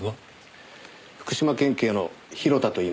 福島県警の広田といいます。